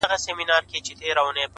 كه دي زما ديدن ياديږي ـ